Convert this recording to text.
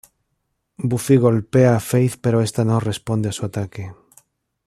Buffy golpea a Faith pero esta no responde a su ataque.